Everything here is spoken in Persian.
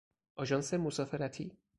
آژانس مسافرتی